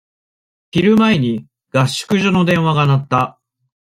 昼前に、合宿所の電話が鳴った。